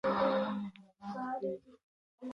د خپل حق لپاره قانوني لاره غوره کړئ.